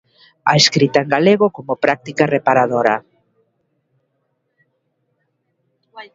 A escrita en galego como práctica reparadora.